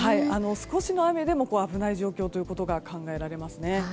少しの雨でも危ない状況が考えられますね。